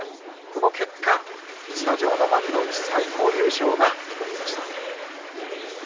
この結果、逸ノ城の幕内最高優勝が決まりました。